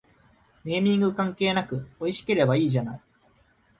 ネーミング関係なくおいしければいいじゃない